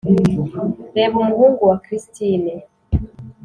reba umuhungu wa christine